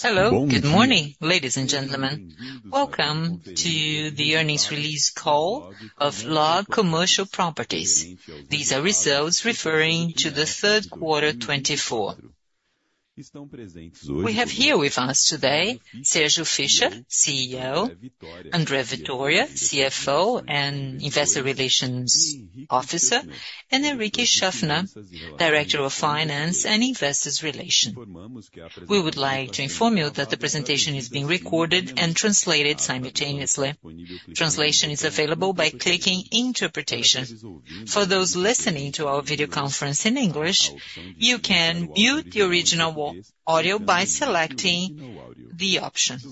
Hello. Good morning ladies and gentlemen. Welcome to the earnings release call of LOG Commercial Properties. These are results referring to the third quarter 2024. We have here with us today Sérgio Fischer, CEO, André Vitória, CFO and Investor Relations Officer, and Henrique Schaffner, Director of Finance and Investor Relations. We would like to inform you that the presentation is being recorded and translated simultaneously. Translation is available by clicking Interpretation. For those listening to our video conference in English, you can mute the original audio by selecting the options.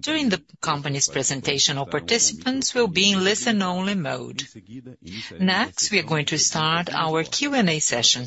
During the company's presentation, all participants will be in listen-only mode. Next, we are going to start our Q and A session.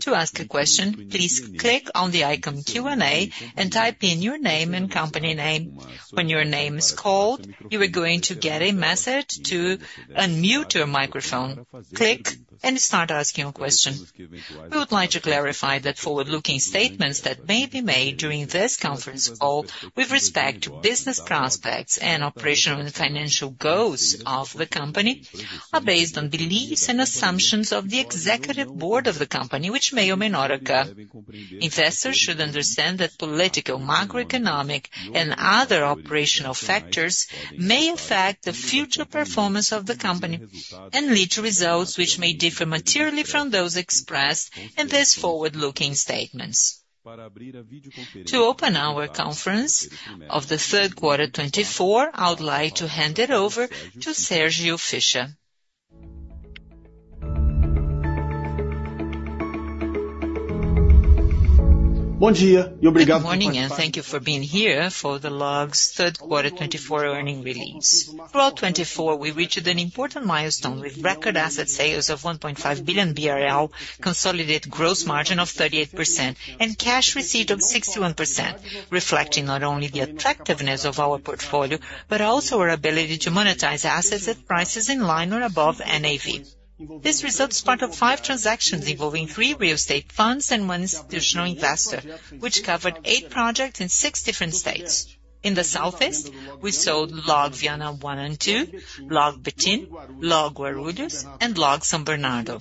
To ask a question, please click on the icon Q&A and type in your name and company name. When your name is called, you are going to get a message. To unmute your microphone, click and start asking a question. We would like to clarify that forward looking statements that may be made during this conference call with respect to business prospects and operational and financial goals of the company are based on beliefs and assumptions of the Executive Board of the Company which may or may not occur. Investors should understand that political, macroeconomic and other operational factors may affect the future performance of the company and lead to results which may differ materially from those expressed in these forward looking statements. To open our conference of 3Q24, I would like to hand it over to Sérgio Fischer. Good morning and thank you for being here for the LOG's. Third Quarter 2024 earnings release. Throughout 2024 we reached an important milestone with record asset sales of 1.5 billion BRL, consolidated gross margin of 38% and cash received of 61%, reflecting not only the attractiveness of our portfolio but also our ability to monetize assets at prices in line or above NAV. This result is part of five transactions involving three real estate funds and one institutional investor which covered eight projects in six different states in the Southeast. We sold LOG Viana I and II, LOG Betim, LOG Guarulhos and LOG São Bernardo.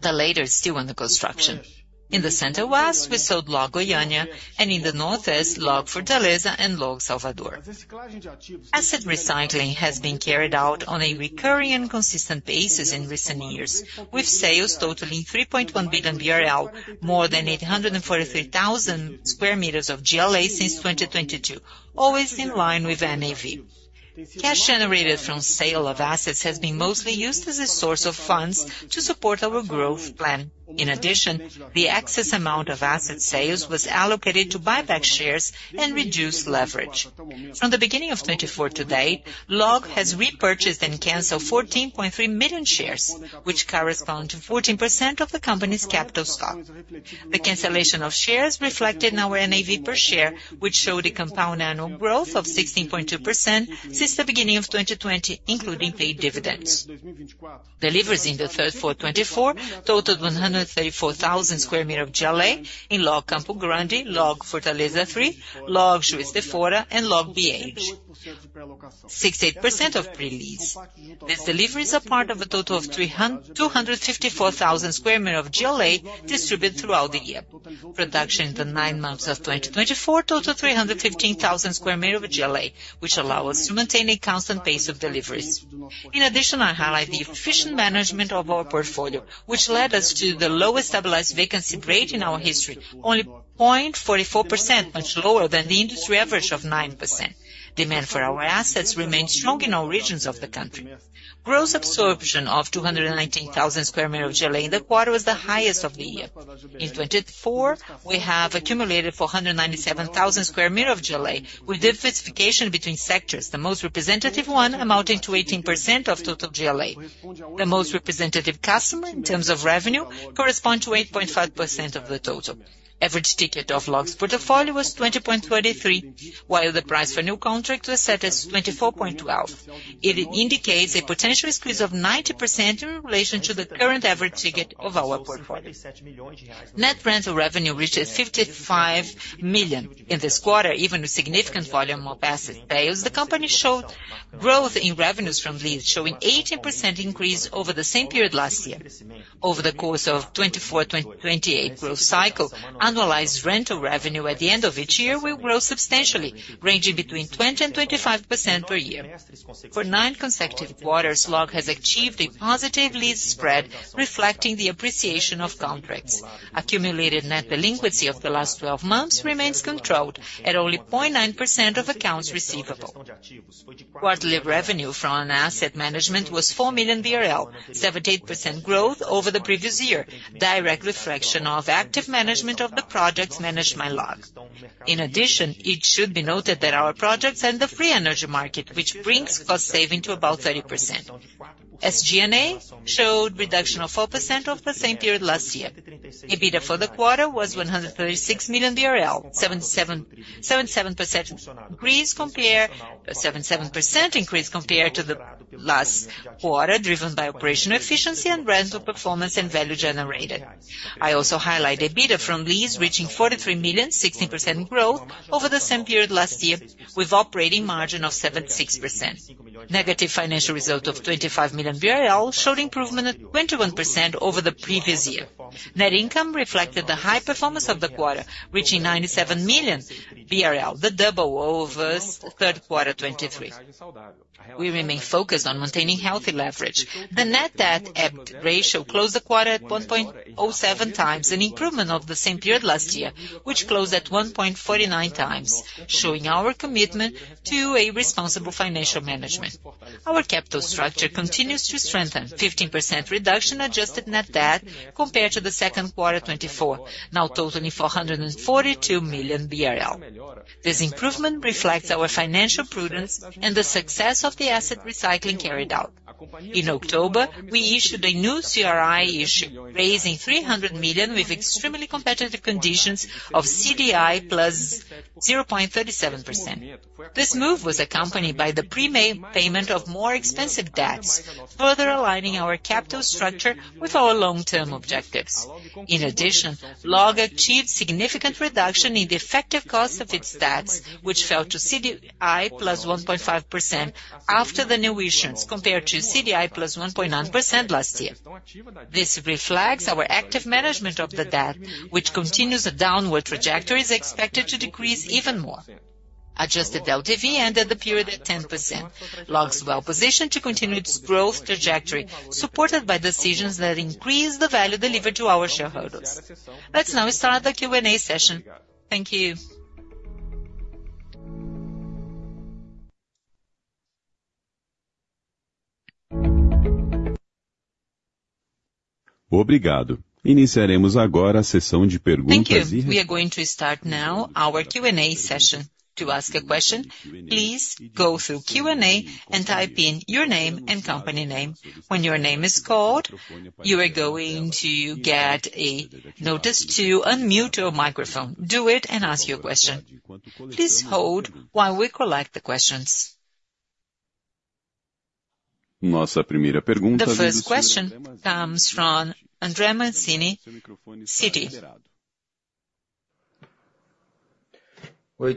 The latter is still under construction. In the Center-West we sold LOG Goiânia and in the Northeast LOG Fortaleza and LOG Salvador. Asset recycling has been carried out on a recurring and consistent basis in recent years with sales totaling 3.1 billion BRL, more than 843,000 square meters of GLA since 2020-2022 always in line with NAV. Cash generated from sale of assets has been mostly used as a source of funds to support our growth plan. In addition, the excess amount of asset sales was allocated to buy back shares and reduce leverage. From the beginning of 2024 to date, LOG has repurchased and canceled 14.3 million shares which correspond to 14% of the company's capital stock. The cancellation of shares reflected in our NAV per share, which showed a compound annual growth of 16.2% since the beginning of 2020 including paid dividends. Deliveries in the third quarter 2024 totaled 134,000 sq m of GLA in LOG Campo Grande, LOG Fortaleza III, LOG Juiz de Fora and LOG BH 68% of pre-lease. These deliveries are part of a total of 254,000 square meters of GLA distributed throughout the year. Production in the nine months of 2024 total 315,000 square meters of GLA which allow us to maintain a constant pace of deliveries. In addition, I highlight the efficient management of our portfolio which led us to the lowest stabilized vacancy rate in our history, only 0.44%, much lower than the industry average of 9%. Demand for our assets remained strong in all regions of the country. Gross absorption of 219,000 sq m of GLA in the quarter was the highest of the year. In 2024 we have accumulated 497,000 square meters of GLA with diversification between sectors. The most representative one amounting to 18% of total GLA, the most representative customer in terms of revenue corresponds to 8.5% of the total. Average ticket of LOG's portfolio was 20.23 while the price for new contracts was set as 24.12. It indicates a potential upside of 90% in relation to the current average ticket of our portfolio. Net rental revenue reaches 55 million in this quarter. Even with significant volume of asset sales, the company showed growth in revenues from leases, showing 18% increase over the same period last year. Over the course of '24-'28 growth cycle, annualized rental revenue at the end of each year will grow substantially ranging between 20%-25% per year for nine consecutive quarters. LOG has achieved a positive lease spread reflecting the appreciation of contracts. Accumulated net delinquency of the last 12 months remains controlled at only 0.9% of accounts receivable. Quarterly revenue from asset management was 4 million BRL, 78% growth over the previous year. Direct reflection of active management of the projects managed by LOG. In addition, it should be noted that our projects enter the free energy market which brings cost saving to about 30%. SG&A showed reduction of 4% over the same period last year. EBITDA for the quarter was 136 million BRL, 77% increase compared to the last quarter driven by operational efficiency and rental performance and value generated. I also highlight EBITDA from lease reaching 43 million, 16% growth over the same period last year with operating margin of 76%. Negative financial result of 25 million BRL showed improvement at 21% over the previous year. Net income reflected the high performance of the quarter reaching 97 million BRL, the double over third quarter 2023. We remain focused on maintaining healthy leverage. The net debt EBITDA ratio closed the quarter at 1.07 times, an improvement over the same period last year which closed at 1.49 times, showing our commitment to a responsible financial management. Our capital structure continues to strengthen 15% reduction adjusted net debt compared to the second quarter 2024 now totaling 442 million BRL. This improvement reflects our financial prudence and the success of the asset recycling carried out. In October we issued a new CRI issue raising 300 million with extremely competitive conditions of CDI plus. This move was accompanied by the prepayment of more expensive debts, further aligning our capital structure with our long-term objectives. In addition, LOG achieved significant reduction in the effective cost of its debts which fell to CDI 1.5% after the new issuance compared to CDI 1.9% last year. This reflects our active management of the debt, which continues a downward trajectory, is expected to decrease even more. Adjusted LTV ended the period at 10%. LOG's well positioned to continue its growth trajectory supported by decisions that increase the value delivered to our shareholders. Let's now start the Q and A session. Thank you. We are going to start now our Q and A session. To ask a question, please go through Q and A and type in your name and company name. When your name is called, you are going to get a notice to unmute your microphone. Do it and ask your question. Please hold while we collect the questions. The first question comes from André Mazini, Citi. Hello.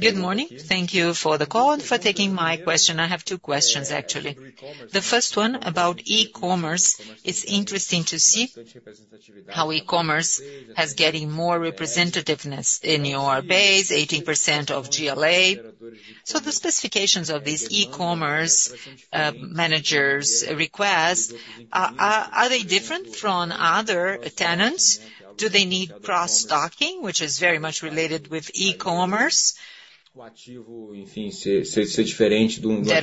Good morning. Thank you for the call and for taking my question. I have two questions actually. The first one about e-commerce. It's interesting to see how e-commerce has getting more representativeness in your base, 80% of GLA. So the specifications of these e-commerce managers request, are they different from other tenants? Do they need cross-docking, which is very much related with e-commerce? That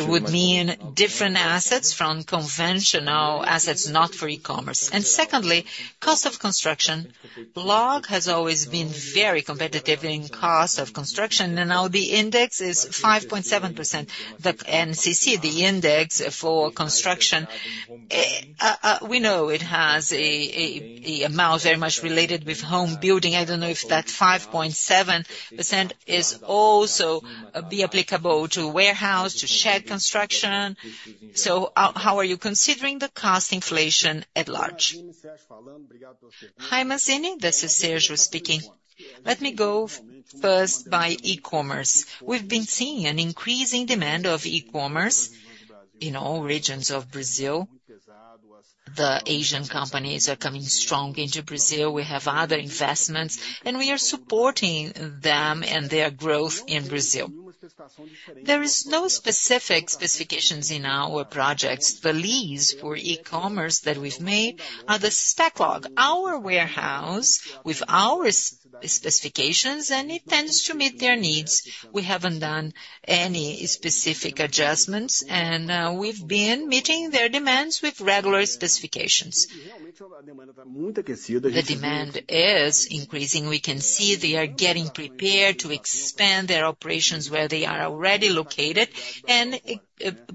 would mean different assets from conventional assets not for e-commerce. And secondly, cost of construction. LOG has always been very competitive in cost of construction, and now the index is 5.7%. The INCC, the index for construction. We know it has the amount very much related with home building. I don't know if that 5.7% is also be applicable to warehouse-to-shed construction. So how are you considering the cost inflation at large? Hi, Mazini. This is Sérgio speaking. Let me go first by e-commerce. We've been seeing an increasing demand of e-commerce in all regions of Brazil. The Asian companies are coming strong into Brazil. We have other investments and we are supporting them and their growth in Brazil. There is no specific specifications in our projects. The lease for e-commerce that we've made are the spec LOG warehouses with our specifications and it tends to meet their needs. We haven't done any specific adjustments and we've been meeting their demands with regular specifications. The demand is increasing. We can see they are getting prepared to expand their operations where they are already located and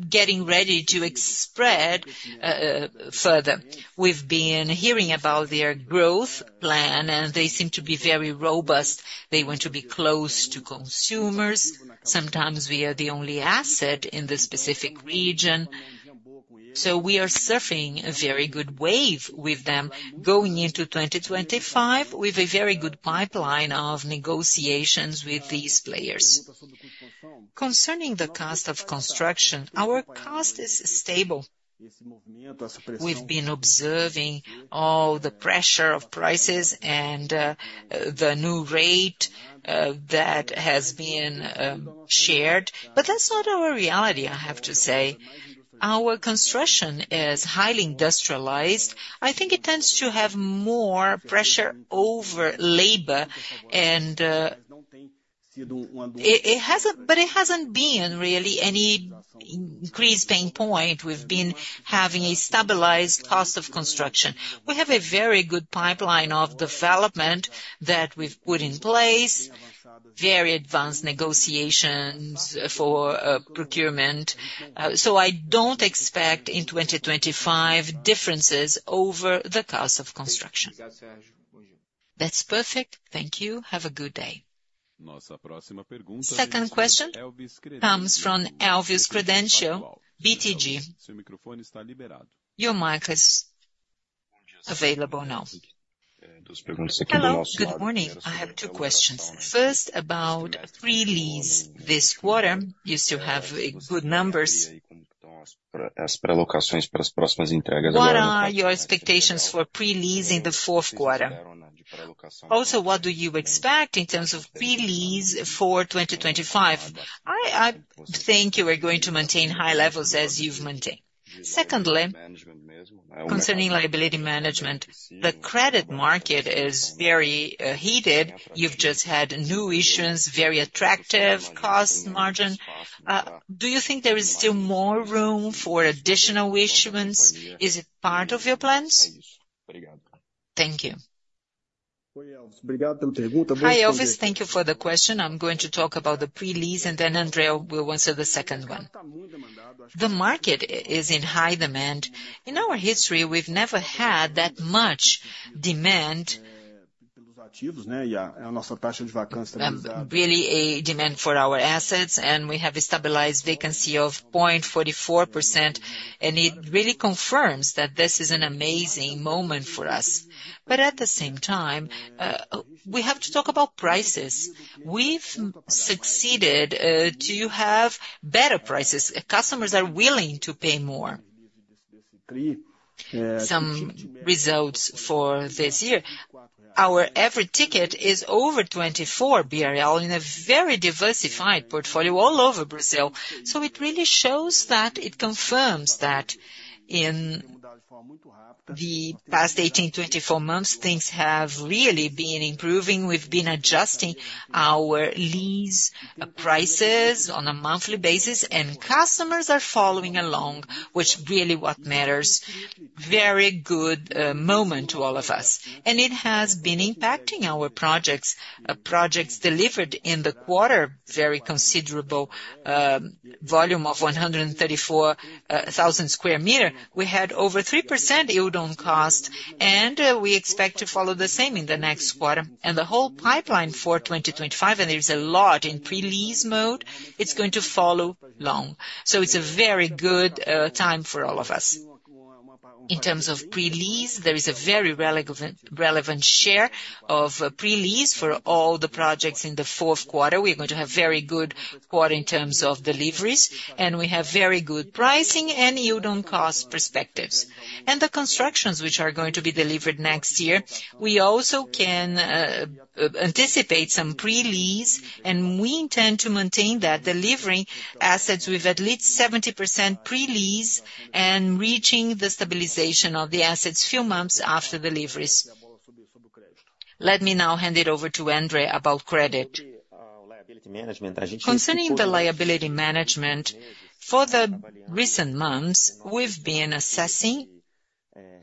getting ready to spread further. We've been hearing about their growth plan and they seem to be very robust. They want to be close to consumers. Sometimes we are the only asset in the specific region. So we are surfing a very good wave with them going into 2025 with a very good pipeline of negotiations with these players concerning the cost of construction. Our cost is stable. We've been observing all the pressure of prices and the new rate that has been shared. But that's not our reality. I have to say our construction is highly industrialized. I think it tends to have more pressure over labor and but it hasn't been really any increased pain point. We've been having a stabilized cost of construction. We have a very good pipeline of development that we've put in place very advanced negotiations for procurement. So I don't expect in 2020 differences over the course of construction. That's perfect. Thank you. Have a good day. Second question comes from Elvis Credendio. BTG, your mic is available now. Hello, good morning. I have two questions. First, about pre-lease, this quarter used to have good numbers. What are your expectations for pre-lease in the fourth quarter? Also, what do you expect in terms of pre-lease for 2025? I think you are going to maintain high levels as you've maintained. Secondly, concerning liability management, the credit market is very heated. You've just had new issuance, very attractive costs margin. Do you think there is still more room for additional issuance? Is it part of your plans? Thank you. Hi Elvis, thank you for the question. I'm going to talk about the pre-lease and then André will answer the second one. The market is in high demand. In our history we've never had that much demand. Really a demand for our assets and we have a stabilized vacancy of 0.44% and it really confirms that this is an amazing moment for us. At the same time we have to talk about prices. We've succeeded to have better prices. Customers are willing to pay more. Some results for this year. Our average ticket is over 24 BRL in a very diversified portfolio all over Brazil. So it really shows that. It confirms that in the past 18-24 months things have really been improving. We've been adjusting our lease prices on a monthly basis and customers are following along which really what matters. Very good moment to all of us. It has been impacting our projects. Projects delivered in the quarter. Very considerable volume of 134,000 square meters. We had over 3% yield on cost and we expect to follow the same in the next quarter and the whole pipeline for 2025. There's a lot in pre-lease mode. It's going to follow long. So it's a very good time for all of us in terms of pre-lease. There is a very relevant share of pre-lease for all the projects in the fourth quarter. We are going to have very good quarter in terms of deliveries and we have very good pricing and yield on cost perspectives and the constructions which are going to be delivered next year. We also can anticipate some pre-lease and we intend to maintain that delivery assets with at least 70% pre-lease and reaching the stabilization of the assets a few months after deliveries. Let me now hand it over to André about credit concerning the liability management. For the recent months we've been assessing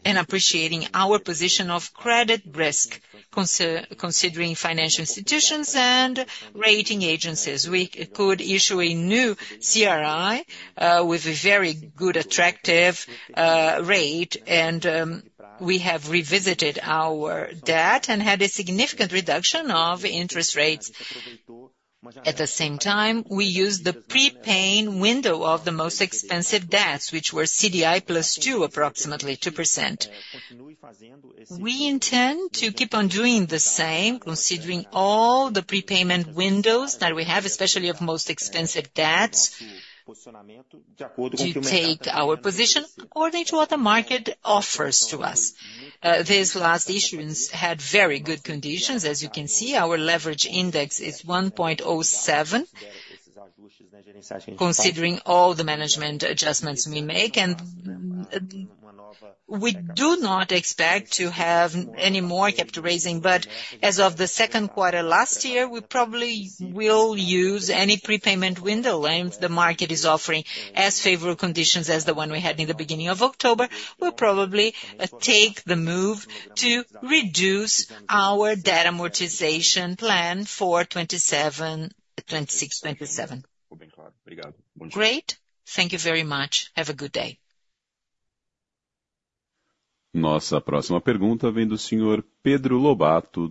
and appreciating our position of credit risk considering financial institutions and rating agencies. We could issue a new CRI with a very good attractive rate. We have revisited our debt and had a significant reduction of interest rates. At the same time we used the prepayment window of the most expensive debts which were CDI plus 2, approximately 2%. We intend to keep on doing the same considering all the prepayment windows that we have especially of most expensive debts to take our position according to what the market offers to us. This last issuance had very good conditions as you can see, our leverage index is 1.07 considering all the management adjustments we make and we do not expect to have any more capital raising. As of the second quarter last year we probably will use any prepayment window left. The market is offering as favorable conditions as the one we had in the beginning of October. We'll probably take the move to reduce our debt amortization plan for 2026-27. Great. Thank you very much. Have a good day. Question from Pedro Lobato,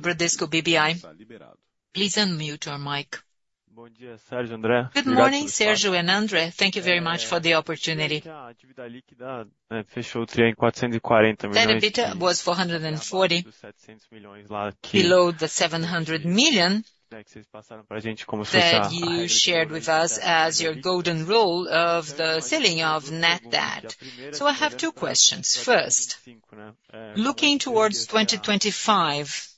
Bradesco BBI. Please unmute your mic. Good morning, Sérgio and André. Thank you very much for the opportunity. It was 440 million below the 700 million that you shared with us as your golden rule ceiling on net debt. So I have two questions. First, looking towards 2025,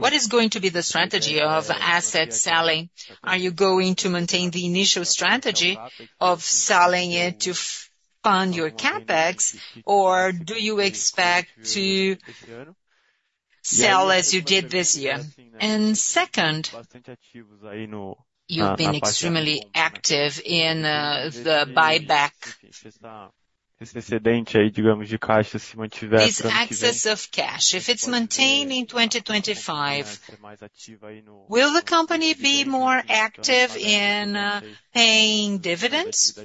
what is going to be the strategy of asset selling? Are you going to maintain the initial strategy of selling it to fund your CapEx or do you expect to sell as you did this year? And second, you've been extremely active in the buybacks in excess of cash. If it's maintained in 2025, will the company be more active in paying dividends?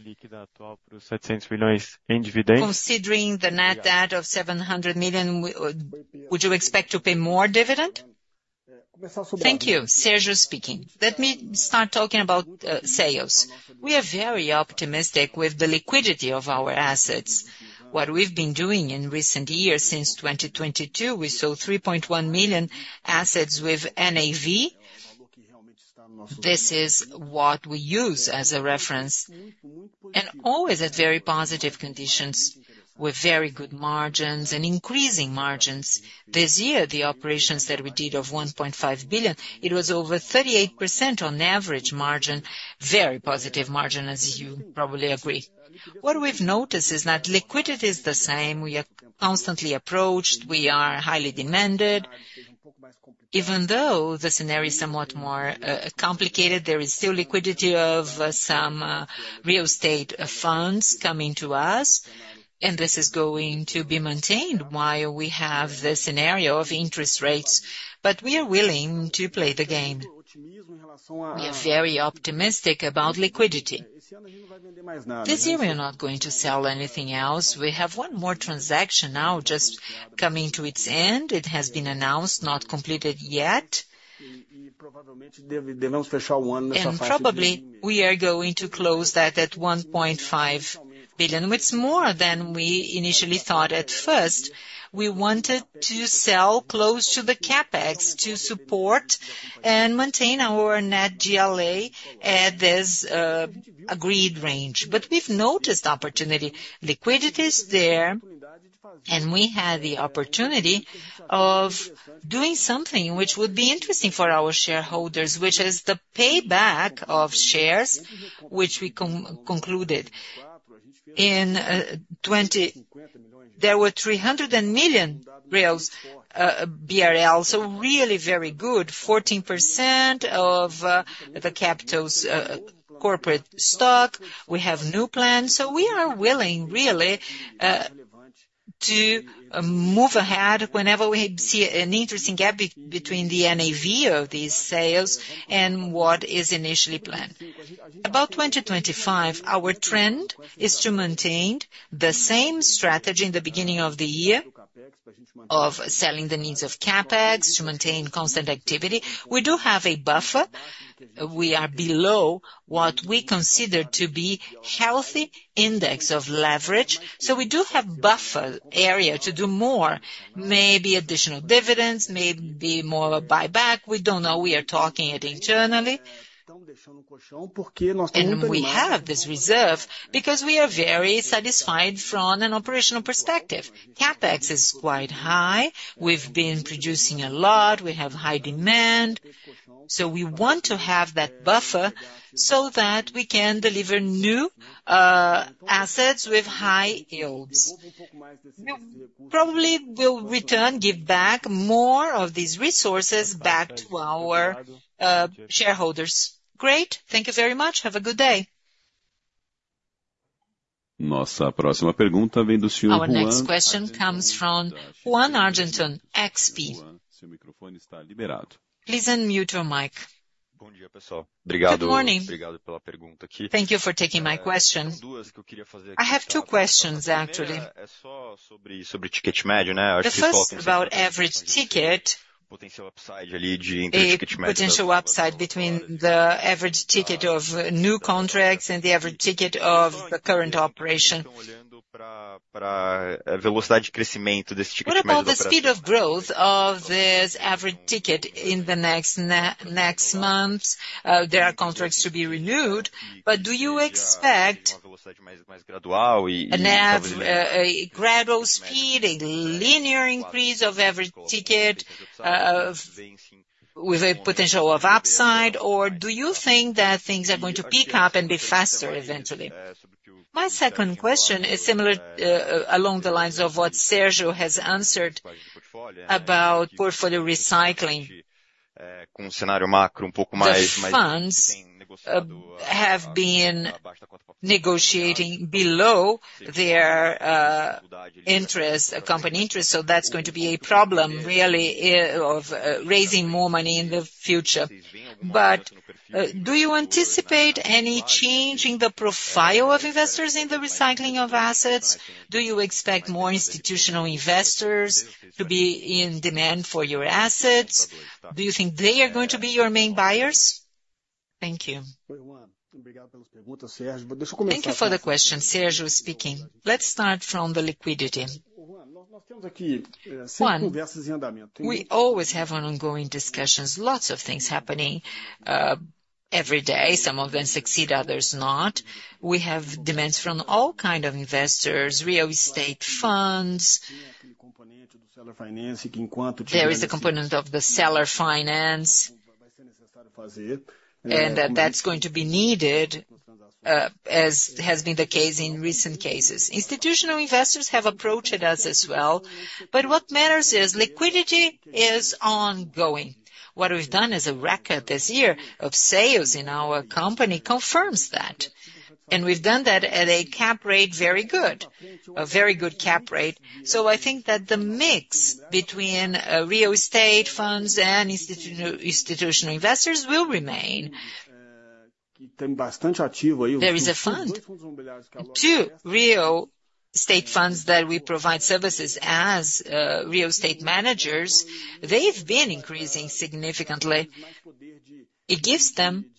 Considering the net debt of 700 million, would you expect to pay more dividend? Thank you. Sérgio speaking. Let me start talking about sales. We are very optimistic with the liquidity of our assets. What we've been doing in recent years since 2022 we saw 3.1 million assets with NAV. This is what we use as a reference and always at very positive conditions with very good margins and increasing margins. This year the operations that we did of 1.5 billion, it was over 38% on average margin, very positive margin. As you probably what we've noticed is that liquidity is the same. We are constantly approached, we are highly demanded. Even though the scenario is somewhat more complicated, there is still liquidity of some real estate funds coming to us and this is going to be maintained while we have the scenario of interest rates. But we are willing to play the game. We are very optimistic about liquidity this year we are not going to sell anything else. We have one more transaction now just coming to its end. It has been announced, not completed yet, and probably we are going to close that at 1.5 billion. It's more than we initially thought. At first we wanted to sell close to the CapEx to support and maintain our net GLA at this agreed range, but we've noticed opportunity liquidity is there and we had the opportunity of doing something which would be interesting for our shareholders, which is the payback of shares which we concluded in 2020. There were 300 million reais, so really very good. 14% of the capital stock. We have new plans, so we are willing really to move ahead whenever we see an interesting gap between the NAV of these sales and what is initially planned about 2025. Our trend is to maintain the same strategy in the beginning of the year of selling the needs of Capex to maintain constant activity. We do have a buffer. We are below what we consider to be healthy index of leverage. So we do have buffer area to do more, maybe additional dividends, maybe more buyback. We don't know. We are talking it internally and we have this reserve because we are very satisfied from an operational perspective. Capex is quite high. We've been producing a lot. We have high demand. So we want to have that buffer so that we can deliver new assets with high yields, probably will return, give back more of these resources back to our shareholders. Great. Thank you very much. Have a good day. Our next question comes from Ruan Argenton, XP. Please unmute your mic. Good morning. Thank you for taking my question. I have two questions actually. The first, about average ticket potential upside between the average ticket of new contracts and the average ticket of the current operation. What about the speed of growth of this average ticket in the next months? There are contracts to be renewed, but do you expect a gradual speed, a linear increase of every ticket with a potential of upside? Or do you think that things are going to pick up and be faster eventually? My second question is similar along the lines of what Sérgio has answered about portfolio recycling. Funds have been negotiating below their interest, company interest. So that's going to be a problem really of raising more money in the future. But do you anticipate any change in the profile of investors in the recycling of assets? Do you expect more institutional investors to be in demand for your assets? Do you think they are going to be your main buyers? Thank you. Thank you for the question. Sérgio speaking. Let's start from the liquidity one. We always have ongoing discussions. Lots of things happening every day. Some of them succeed, others not. We have demands from all kind of investors. Real estate funds. There is a component of the seller finance and that's going to be needed. As has been the case in recent cases. Institutional investors have approached us as well. But what matters is liquidity is ongoing. What we've done is a record this year of sales in our company confirms that. And we've done that at a cap rate. Very good. A very good cap rate. So I think that the mix between real estate funds and institutional investors will remain. There are real estate funds that we provide services to as real estate managers. They've been increasing significantly. It gives them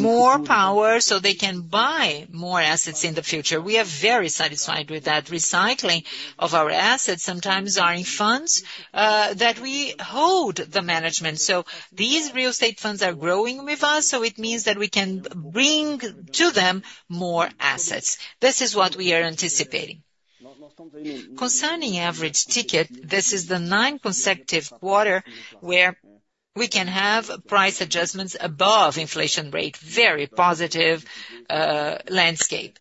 more power so they can buy more assets in the future. We are very satisfied with that recycling of our assets. Sometimes they are in funds that we hold the management. So these real estate funds are growing with us. So it means that we can bring to them more assets. This is what we are anticipating concerning average ticket. This is the ninth consecutive quarter where we can have price adjustments above inflation rate. Very positive landscape.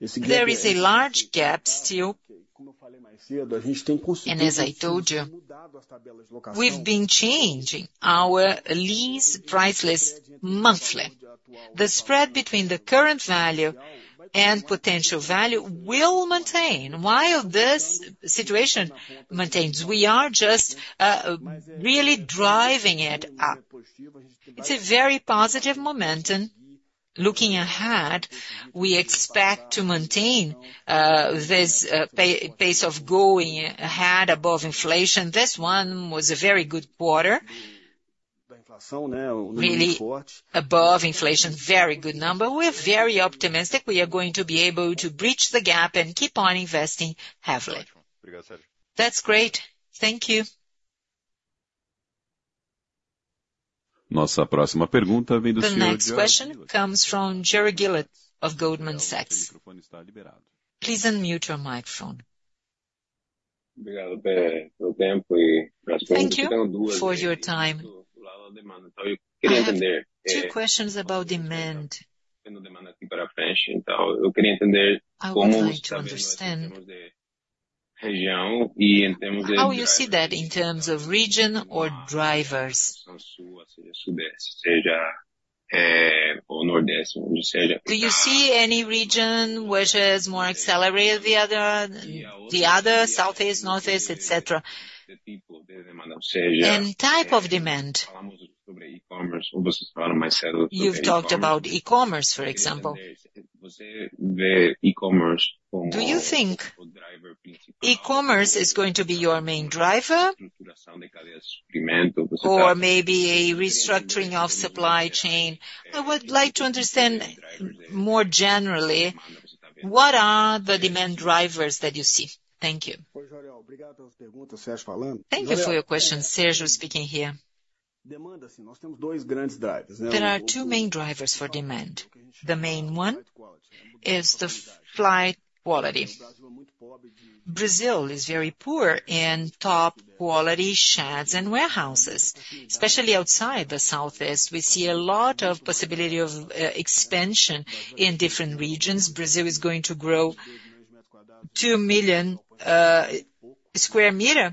There is a large gap still, and as I told you, we've been changing our lease prices monthly. The spread between the current value and potential value will maintain while this situation maintains. We are just really driving it up. It's a very positive momentum. Looking ahead. We expect to maintain this pace of going ahead above inflation. This one was a very good quarter. Really above inflation. Very good number. We're very optimistic. We are going to be able to bridge the gap and keep on investing heavily. That's great. Thank you. The next question comes from Jorel Guilloty of Goldman Sachs. Please unmute your microphone. Thank you for your time. Two questions about demand. I would like to understand how you see that in terms of region or drivers. Do you see any region which is more accelerated? The other, southeast, Northeast, etc. And type of demand? You've talked about e-commerce, for example. Do you think e-commerce is going to be your main driver? Or maybe a restructuring of supply chain? I would like to understand more generally what are the demand drivers that you see? Thank you. Thank you for your question, Sérgio. Speaking here, there are two main drivers for demand. The main one is the flight to quality. Brazil is very poor in top quality sheds and warehouses, especially outside the Southeast. We see a lot of possibility of explosive expansion in different regions. Brazil is going to grow two million square meters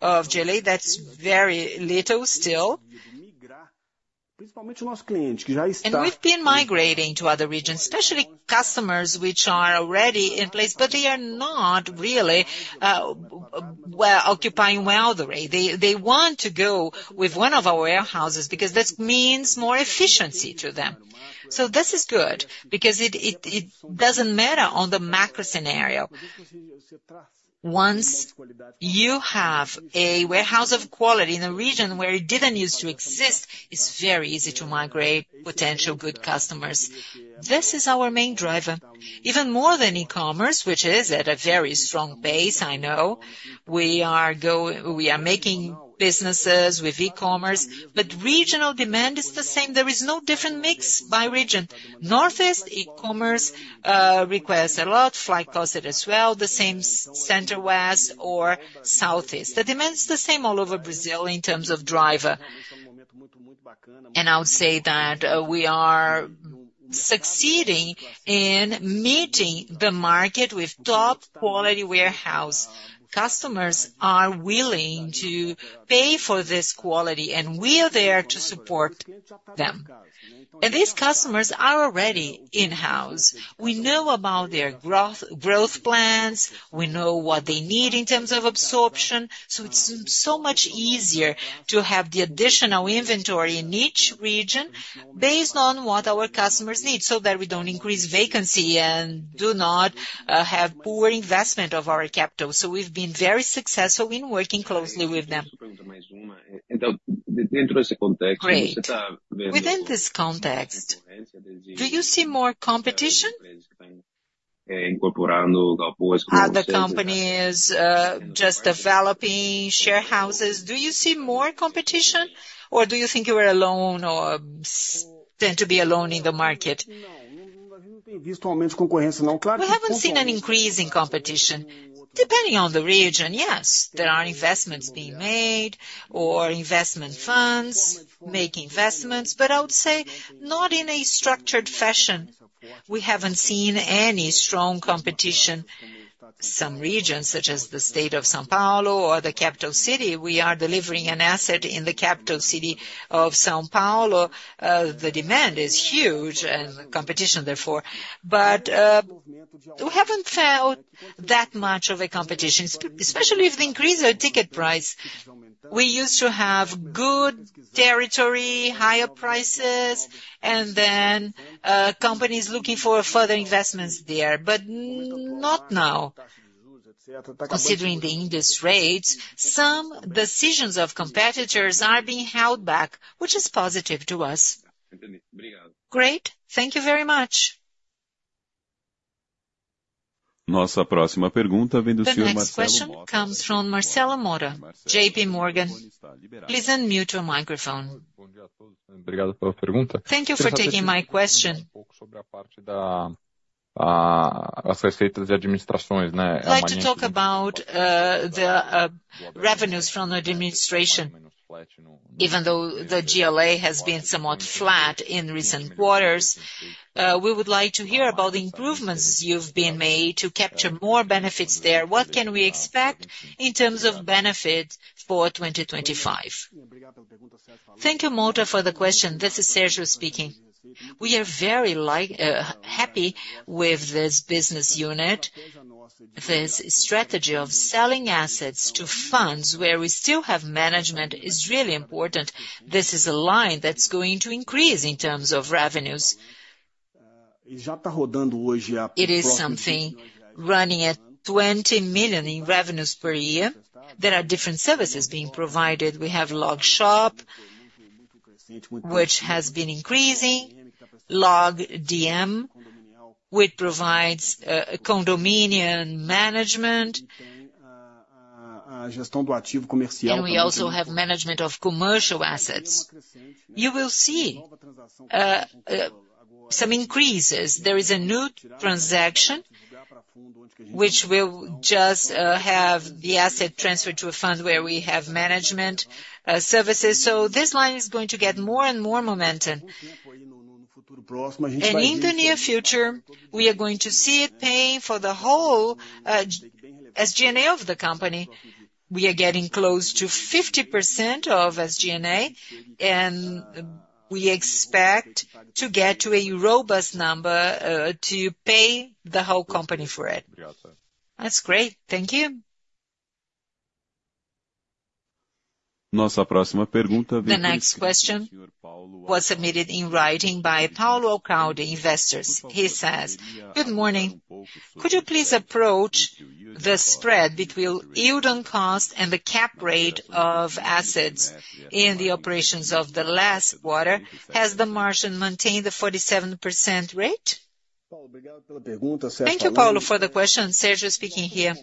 of GLA. That's very little still, and we've been migrating to other regions, especially customers which are already in place. But they are not really occupying well. The reason they want to go with one of our warehouses because that's the only means more efficiency to them. So this is good because it doesn't matter on the macro scenario. Once you have a warehouse of quality in a region where it didn't use to exist, it's very easy to migrate potential good customers. This is our main driver. Even more than e-commerce, which is at a very strong pace. I know we are making businesses with e-commerce, but regional demand is the same. There is no different mix by region. Northeast, e-commerce requests a lot flight to quality as well the same center. West or Southeast. The demand is the same all over Brazil in terms of driver, and I would say that we are succeeding in meeting the market with top quality warehouses. Customers are willing to pay for this quality and we are there to support them, and these customers are already in-house. We know about their growth plans. We know what they need in terms of absorption. So it's so much easier to have the additional inventory in each region based on what our customers need so that we don't increase vacancy and do not have poor investment of our capital. So we've been very successful in working closely with them. Within this context, do you see more competition, other companies just developing warehouses? Do you see more competition or do you think you are alone or tend to be alone in the market? We haven't seen an increase in competition depending on the region. Yes, there are investments being made or investment funds making investments, but I would say not in a structured fashion. We haven't seen any strong competition. Some regions, such as the state of São Paulo or the capital city, we are delivering an asset in the capital city of São Paulo. The demand is huge and competition therefore. But we haven't felt that much of a competition, especially if the increase of ticket price. We used to have good territory, higher prices and then companies looking for further investments there. But not now, considering the industrial rates. Some decisions of competitors are being held back, which is positive to us. Great, thank you very much. This question comes from Marcelo Motta, J.P. Morgan. Please unmute your microphone. Thank you for taking my question. I'd like to talk about the revenues from the administration. Even though the GLA has been somewhat flat in recent quarters. We would like to hear about the improvements you've made to capture more benefits there. What can we expect in terms of benefit for 2025? Thank you, Marcelo, for the question. This is Sérgio speaking. We are very happy with this business unit. This strategy of selling assets to funds where we still have management is really important. This is a line that's going to increase in terms of revenues. It is something running at 20 million in revenues per year. There are different services being provided. We have LOGShop, which has been increasing LOG ADM which provides condominium management. And we also have management of commercial assets. You will see some increases. There is a new transaction which will just have the asset transferred to a fund where we have management services. So this line is going to get more and more momentum and in the near future we are going to see it paying for the whole SG&A of the company. We are getting close to 50% of SG&A and we expect to get to a robust number to pay the whole company for it. That's great. Thank you. The next question was submitted in writing by Paulo, Crowd Investors. He says. Good morning. Could you please approach the spread between yield on cost and the cap rate of assets in the operations of the last quarter. Has the margin maintained the 47% rate? Thank you, Paulo, for the question. Sérgio speaking here.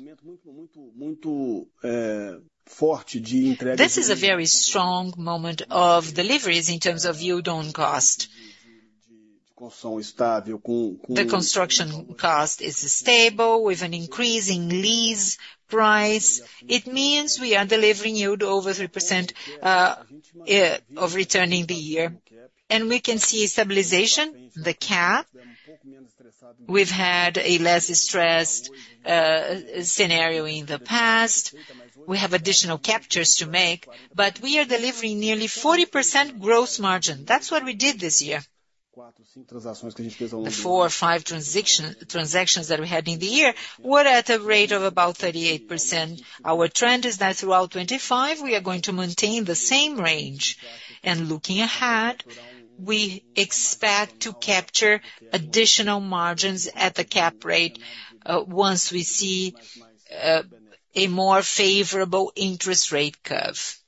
This is a very strong moment of deliveries in terms of yield on cost. The construction cost is stable with an increasing lease price. It means we are delivering yield over 3% of return in the year, and we can see stabilization of the cap. We've had a less stressed scenario in the past. We have additional captures to make, but we are delivering nearly 40% gross margin. That's what we did this year. Four or five transactions that we had in the year were at a rate of about 38%. Our trend is that throughout 2025 we are going to maintain the same range. Looking ahead, we expect to capture additional margins at the cap rate once we see a more favorable interest rate curve.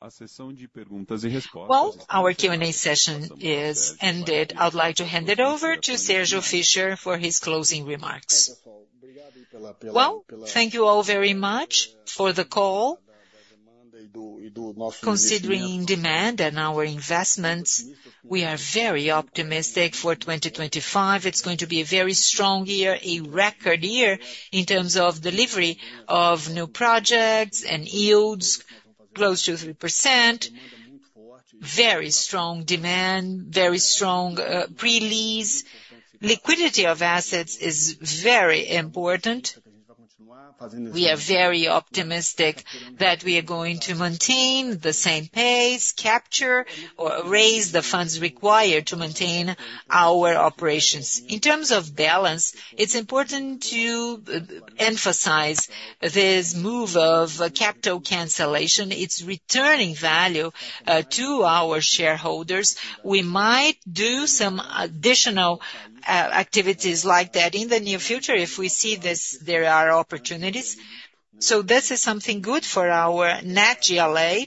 Our Q&A session is ended. I'd like to hand it over to Sérgio Fischer for his closing remarks. Well, thank you all very much for the call. Considering demand and our investments, we are very optimistic for 2025. It's going to be a very strong year, a record year in terms of delivery of new projects and yields close to 3%. Very strong demand, very strong pre-lease liquidity of assets is very important. We are very optimistic that we are going to maintain the same pace, capture or raise the funds required to maintain our operations. In terms of balance, it's important to emphasize this move of capital cancellation. It's returning value to our shareholders. We might do some additional activities like that in the near future. If we see this, there are opportunities. So this is something good for our NAV GLA.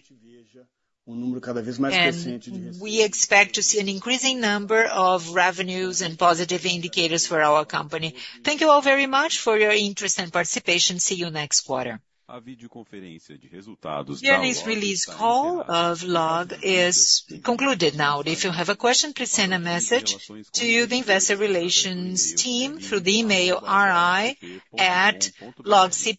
We expect to see an increasing number of revenues and positive indicators for our company. Thank you all very much for your interest and participation. See you next quarter. Earnings release call of LOG is concluded now. If you have a question, please send a message to the investor relations team through the email ri@logcp.com.br